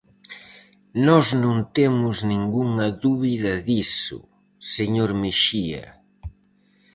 Nós non temos ningunha dúbida diso, señor Mexía.